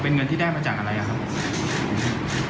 เป็นเงินที่ได้มาจากอะไรครับผม